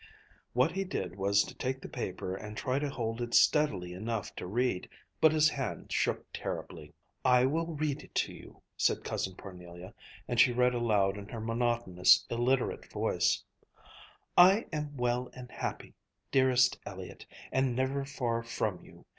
What he did was to take the paper and try to hold it steadily enough to read. But his hand shook terribly. "I will read it to you," said Cousin Parnelia, and she read aloud in her monotonous, illiterate voice: "'I am well and happy, dearest Elliott, and never far from you.